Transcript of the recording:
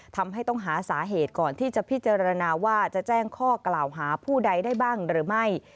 ทำให้ต้องหาสาเหตุก่อนที่จะพิจารณาว่าจะแจ้งข้อกล่าวหาผู้ใดได้บ้างหรือไม่